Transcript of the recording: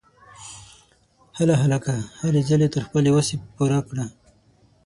هله هلکه ! هلې ځلې تر خپلې وسې پوره کوه!